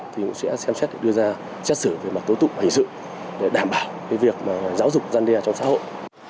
thì cũng sẽ xem xét đưa ra chất xử về mặt tố tụng hành sự để đảm bảo cái việc giáo dục gian đe trong xã hội